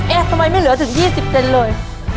ทำไมไม่เหลือถึง๒๐เซนเลย